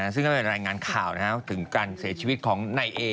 ซึ่งก็เป็นรายงานข่าวถึงการเสียชีวิตของนายเอ